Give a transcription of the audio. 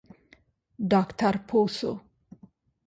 ډاکتر پوه سو.